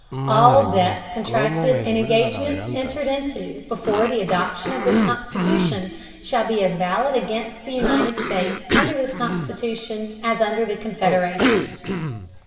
All Debts contracted and Engagements entered into, before the Adoption of this Constitution, shall be as valid against the United States under this Constitution, as under the Confederation.